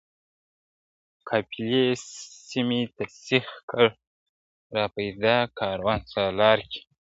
قافلې سمي ته سیخ کړي را پیدا کاروان سالار کې `